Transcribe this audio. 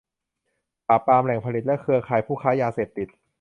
ปราบปรามแหล่งผลิตและเครือข่ายผู้ค้ายาเสพติด